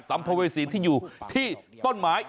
สัมพวิสิทธิ์ที่อยู่ที่ต้อนหมาย